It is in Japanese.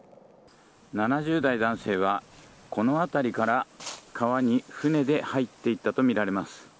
７０代男性はこの辺りから川に船で入って行ったとみられます。